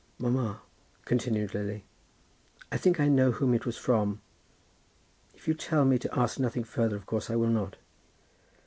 "Mamma," continued Lily, "I think I know whom it was from. If you tell me to ask nothing further, of course I will not."